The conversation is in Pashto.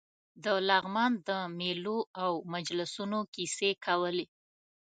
د لغمان د مېلو او مجلسونو کیسې کولې.